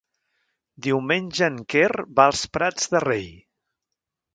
Diumenge en Quer va als Prats de Rei.